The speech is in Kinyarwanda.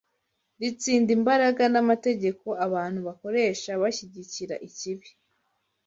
ritsinda imbaraga n’amategeko abantu bakoresha bashyigikira ikibi